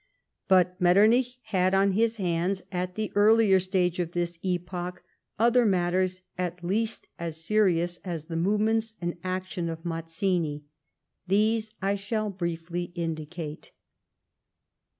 But IMetternich had on his hands at the earlier stage of this epoch other matters at least as serious as the movements and action of Mazzini, These I shall briefly indicate.